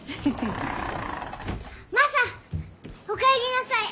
マサおかえりなさい！